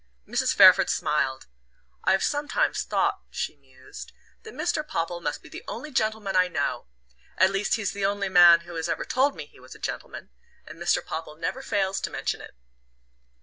Mrs. Fairford smiled. "I've sometimes thought," she mused, "that Mr. Popple must be the only gentleman I know; at least he's the only man who has ever told me he was a gentleman and Mr. Popple never fails to mention it."